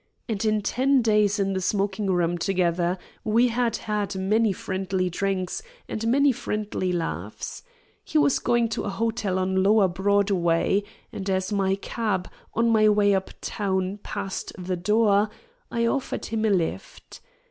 And in ten days in the smoking room together we had had many friendly drinks and many friendly laughs. He was going to a hotel on lower Broadway, and as my cab, on my way uptown, passed the door, I offered him a lift.